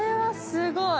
すごーい！